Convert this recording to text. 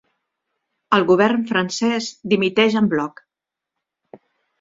El govern francès dimiteix en bloc.